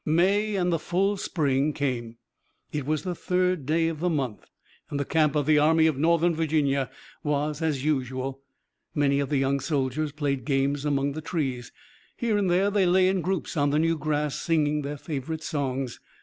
May and the full spring came. It was the third day of the month, and the camp of the Army of Northern Virginia was as usual. Many of the young soldiers played games among the trees. Here and there they lay in groups on the new grass, singing their favorite songs.